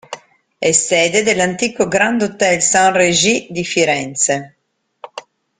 È sede dell'antico Grand Hotel St. Regis di Firenze.